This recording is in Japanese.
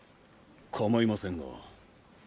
かまいませんが。